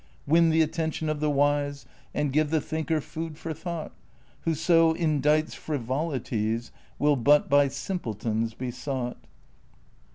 Win the attention of the wise, And give the thinker food for thought; Whoso indites frivolities, Will but by simpletons be sought.